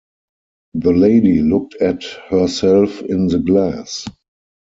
The lady looked at herself in the glass.